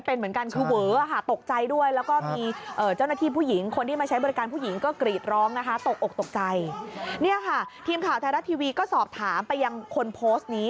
นี่ค่ะทีมข่าวไทยรัฐทีวีก็สอบถามไปยังคนโพสต์นี้